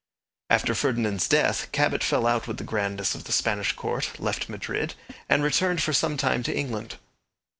After Ferdinand's death, Cabot fell out with the grandees of the Spanish court, left Madrid, and returned for some time to England.